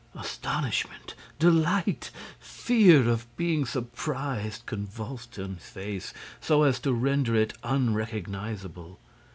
Astonishment, delight, the fear of being surprised convulsed his face so as to render it unrecognizable.